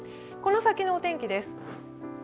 この先のお天気です。